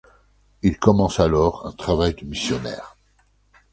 Il commence alors un travail de missionnaire.